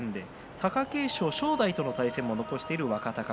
貴景勝、正代との対戦を残しています。